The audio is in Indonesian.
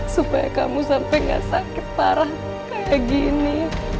supaya kamu sampai gak sakit parah kayak gini